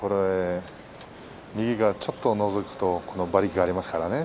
右がちょっとのぞくと馬力がありますからね。